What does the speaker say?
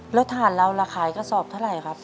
แล้วถ่านเราล่ะขายกระสอบเท่าไหร่ครับ